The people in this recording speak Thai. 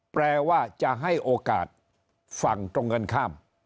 แปลว่าจะให้โอกาสฝั่งตรงกันข้าม